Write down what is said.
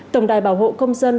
tổng đài bảo hộ công dân